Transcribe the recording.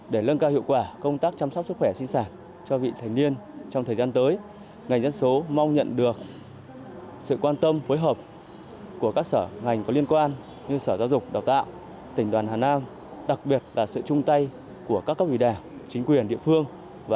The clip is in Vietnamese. để lân cao hiệu quả công tác chăm sóc sức khỏe sinh sản cho vị thành niên trong thời gian tới ngành dân số mong nhận được sự quan tâm phối hợp của các sở ngành có liên quan như sở giáo dục đào tạo tỉnh đoàn hà nam đặc biệt là sự chung tay của các cấp vị đảng chính quyền địa phương